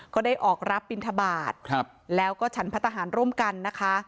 ก็ได้ออกรับบินทบาทแล้วก็ฉันพระทหารร่วมกันนะคะ